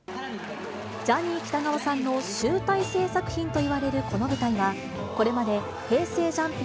ジャニー喜多川さんの集大成作品といわれるこの舞台は、これまでＨｅｙ！